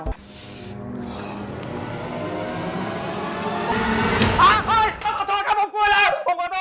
ขอโทษครับผมกลัวแล้ว